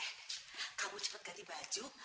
kamu cepet ganti baju